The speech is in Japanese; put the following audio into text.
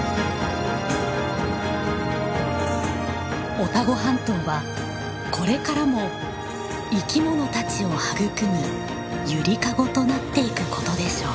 オタゴ半島はこれからも生きものたちを育む揺りかごとなっていくことでしょう。